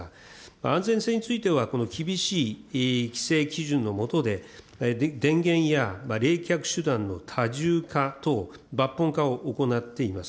安全性についてはこの厳しい規制基準の下で、電源や冷却手段の多重化等、抜本化を行っています。